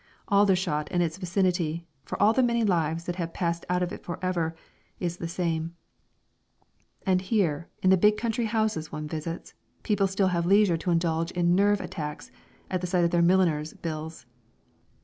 Aldershot and its vicinity, for all the many lives that have passed out of it for ever, is the same. And here, in the big country houses one visits, people have still leisure to indulge in nerve attacks at the sight of their milliners' bills.